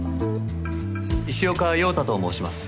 石岡遥太と申します。